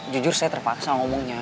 jujur saya terpaksa ngomongnya